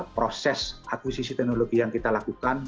proses akuisisi teknologi yang kita lakukan